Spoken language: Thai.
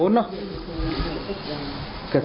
ไปเยี่ยมผู้แทนพระองค์